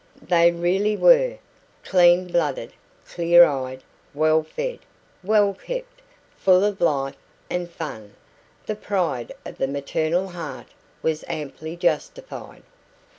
They really were. Clean blooded, clear eyed, well fed, well kept, full of life and fun the pride of the maternal heart was amply justified.